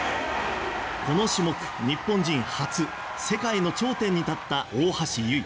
この種目、日本人初世界の頂点に立った大橋悠依。